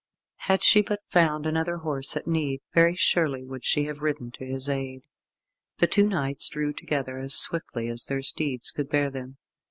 Had she but found another horse at need, very surely would she have ridden to his aid. The two knights drew together as swiftly as their steeds could bear them.